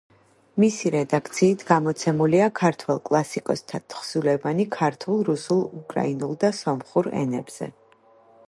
მისი რედაქციით გამოცემულია ქართველ კლასიკოსთა თხზულებანი ქართულ, რუსულ, უკრაინულ და სომხურ ენებზე.